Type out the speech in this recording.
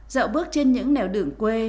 dạo bước trên những nẻo đường quê